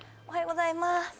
おはようございます。